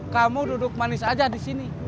kamu duduk manis aja disini